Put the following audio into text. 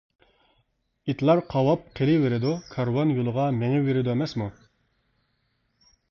ئىتلار قاۋاپ قېلىۋېرىدۇ، كارۋان يولىغا مېڭىۋېرىدۇ ئەمەسمۇ.